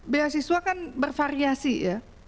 beasiswa kan bervariasi ya